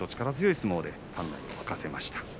力強い相撲で館内を沸かせました。